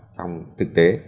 trong thực tế